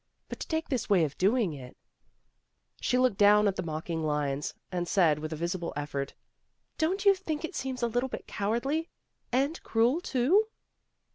But to take this way of doing it " she looked down at the mocking lines and said with a visible effort, " Don't you think it seems a little bit cowardly and cruel, too?"